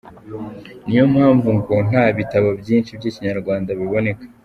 Niyi mpamvu ngo nta bitabo byinshi by’ikinyarwanda biboneka.